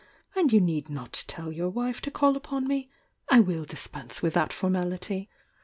And you need not tell your wife to call upon me — I will dispense wiUi that formality!